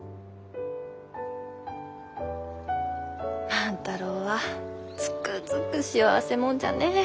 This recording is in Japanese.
万太郎はつくづく幸せ者じゃね！